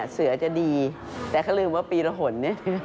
เสือจะดีแต่ก็ลืมว่าปีระหล่น